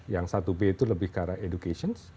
yang satu b itu lebih ke arah educations